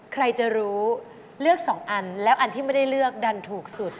ใครจะรู้เลือก๒อันแล้วอันที่ไม่ได้เลือกดันถูกสุด